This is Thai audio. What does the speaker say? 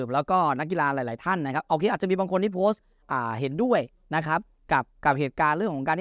แล้วก็นักกีฬาหลายท่านนะครับโอเคอาจจะมีบางคนที่โพสต์เห็นด้วยนะครับกับเหตุการณ์เรื่องของการ